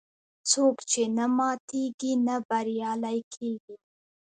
څوک چې نه ماتیږي، نه بریالی کېږي.